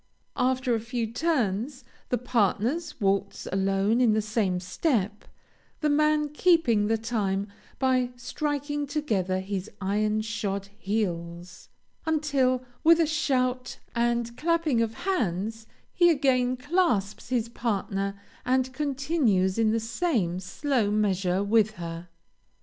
After a few turns, the partners waltz alone in the same step, the man keeping the time by striking together his iron shod heels, until with a shout and clapping of hands he again clasps his partner and continues in the same slow measure with her."